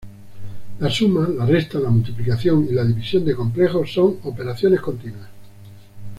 La suma, la resta, la multiplicación y la división de complejos son operaciones continuas.